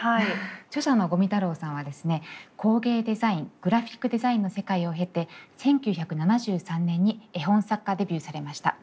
工芸デザイングラフィックデザインの世界を経て１９７３年に絵本作家デビューされました。